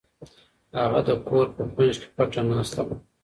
هغه د کور په کونج کې پټه ناسته وه.